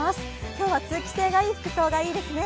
今日は通気性がいい服装がいいですね。